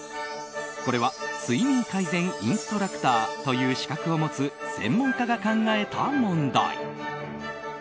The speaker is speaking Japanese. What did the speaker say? これは睡眠改善インストラクターという資格を持つ専門家が考えた問題。